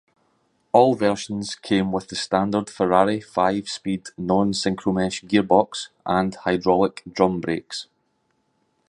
All versions came with the standard Ferrari five-speed non-synchromesh gearbox and hydraulic drum brakes.